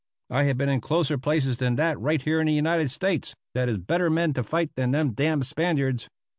I have been in closer places than that right here in United States, that is better men to fight than them dam Spaniards."